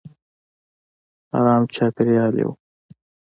ارامه چاپېریال یې و.